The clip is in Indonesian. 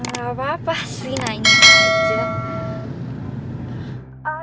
gak apa apa sri nanya aja